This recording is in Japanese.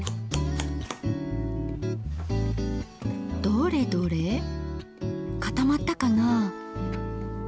どれどれ固まったかな？